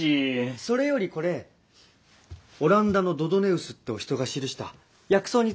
それよりこれオランダのドドネウスってお人が記した薬草についての。